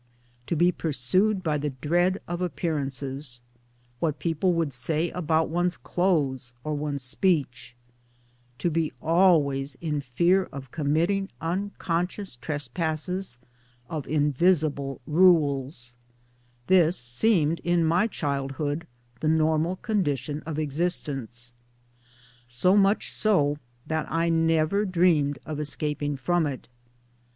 To be pursued by the dread of appearances what people would s^ay about one's clothes or one's speech to be always in fear of committing* unconscious tres passes of invisible rules this seemed in my child hood the normal condition of existence ; so much so that I never dreamed of escaping from it.